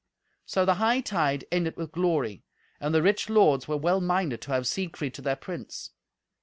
So the hightide ended with glory, and the rich lords were well minded to have Siegfried to their prince.